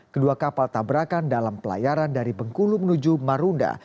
kedua kapal tabrakan dalam pelayaran dari bengkulu menuju marunda